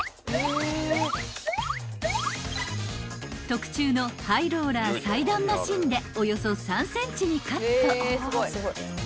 ［特注のハイローラー裁断マシンでおよそ３ｃｍにカット］